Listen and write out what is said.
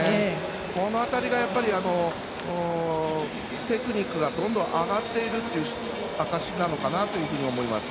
この辺りが、テクニックがどんどん上がっているという証しなのかなと思います。